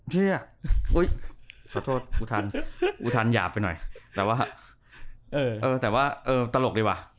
เชี่ยโอ๊ยขอโทษอูทันอูทันหยาบไปหน่อยแต่ว่าเออแต่ว่าเออตลกดีวะ